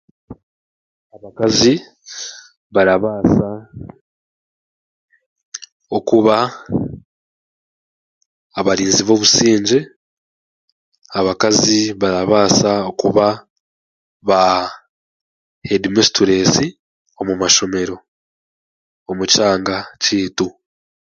Abakazi barabaasa okuba abarinzi b'obusingye, abakazi barabaasa kuba ba heedi misitureesi omu kyanga kyaitu